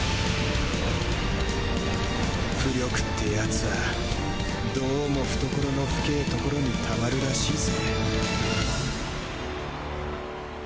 巫力ってやつはどうも懐の深ぇところにたまるらしいぜ